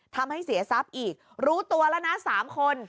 ทำให้เสียทรัพย์อีกรู้ตัวแล้วนะ๓คน